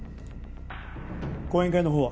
後援会のほうは？